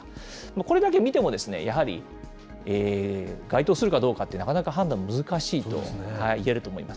これだけ見ても、やはり該当するかどうかって、なかなか判断難しいといえると思います。